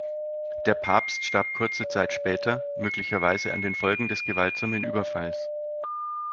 Der Papst starb kurze Zeit später, möglicherweise an den Folgen des gewaltsamen Überfalls.